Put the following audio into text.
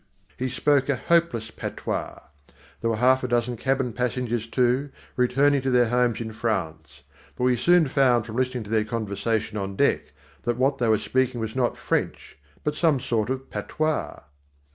He spoke a hopeless patois. There were half a dozen cabin passengers, too, returning to their homes in France. But we soon found from listening to their conversation on deck that what they were speaking was not French but some sort of patois.